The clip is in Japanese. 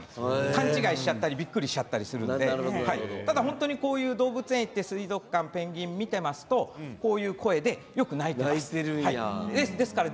勘違いしちゃったりびっくりしちゃったりしますから本当に動物性に行って水族館、ペンギンを見ていますとこういう声でよく鳴いていますね。